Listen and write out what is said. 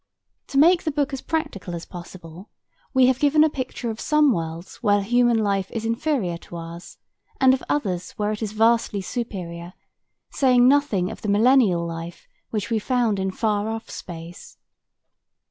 To make the book as practical as possible we have given a picture of some worlds where human life is inferior to ours, and of others where it is vastly superior, saying nothing of the millennial life which we found in far off space.